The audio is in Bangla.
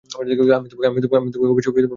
আমি তোমাকে অবশ্যই বাড়ি পৌঁছে দিব।